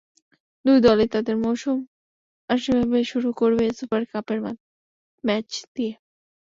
দুই দলই তাদের মৌসুম আনুষ্ঠানিকভাবে শুরু করবে সুপার কাপের ম্যাচ দিয়ে।